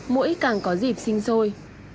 mũi càng có dịp sinh sôi